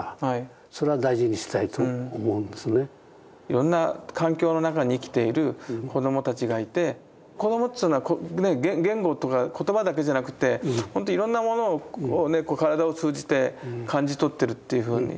いろんな環境の中に生きている子どもたちがいて子どもというのは言語とか言葉だけじゃなくていろんなものを体を通じて感じ取ってるっていうふうに。